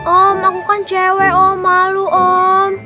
om aku kan cewek om malu om